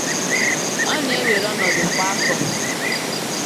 Ọ na-ewere ọnọdụ kwa afọ.